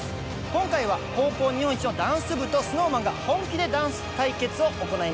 今回は高校日本一のダンス部とＳｎｏｗＭａｎが本気でダンス対決を行います。